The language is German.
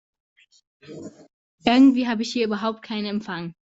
Irgendwie habe ich hier überhaupt keinen Empfang.